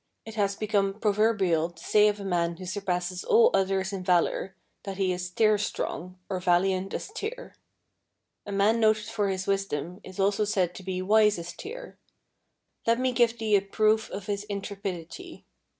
It has become proverbial to say of a man who surpasses all others in valour that he is Tyr strong, or valiant as Tyr. A man noted for his wisdom is also said to be 'wise as Tyr.' Let me give thee a proof of his intrepidity.